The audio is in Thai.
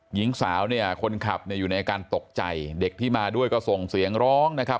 หญิงสาวคนขับอยู่ในการตกใจเด็กที่มาด้วยก็ส่งเสียงร้องนะครับ